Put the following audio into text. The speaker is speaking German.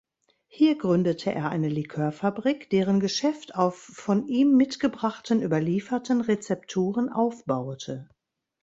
Hier gründete er eine Likörfabrik, deren Geschäft auf von ihm mitgebrachten überlieferten Rezepturen aufbaute.